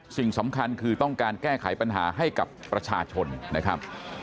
สิ่งสำคัญคือต้องการแก้ไขปัญหาให้กับประชาชนนะครับ